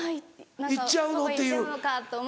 「行っちゃうの？」っていう。